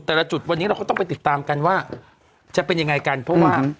แต่ละจุดวันนี้เราก็ต้องไปติดตามกันว่าจะเป็นยังไงกันเพราะว่า